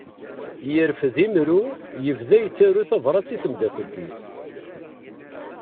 Yerfed imru, yebda yettaru tabrat i tmeddakelt-is.